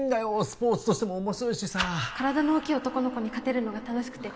スポーツとしても面白いしさ体の大きい男の子に勝てるのが楽しくて